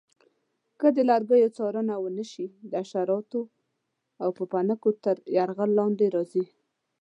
که د لرګیو څارنه ونه شي د حشراتو او پوپنکو تر یرغل لاندې راځي.